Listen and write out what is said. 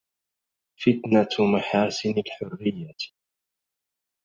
فتنته محاسن الحريه